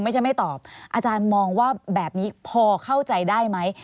ไม่ใช่ไม่ตอบอาจารย์มองว่าแบบนี้พอเข้าใจได้ไหม